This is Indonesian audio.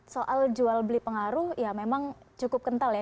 soal jual beli pengaruh ya memang cukup kental ya